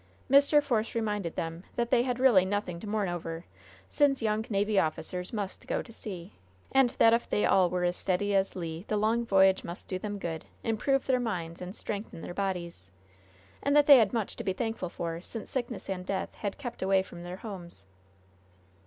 Mr. Force reminded them that they had really nothing to mourn over, since young navy officers must go to sea, and that if they all were as steady as Le the long voyage must do them good, improve their minds, and strengthen their bodies; and that they had much to be thankful for, since sickness and death had kept away from their homes.